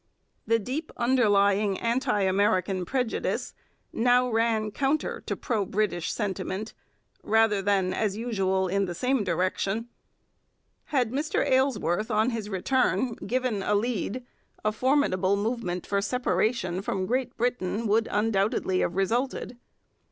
The deep underlying anti American prejudice now ran counter to pro British sentiment, rather than, as usual, in the same direction. Had Mr Aylesworth, on his return, given a lead, a formidable movement for separation from Great Britain would undoubtedly have resulted.